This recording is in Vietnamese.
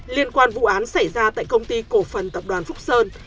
liên quan vụ án xảy ra tại công ty cổ phần tập đoàn phúc sơn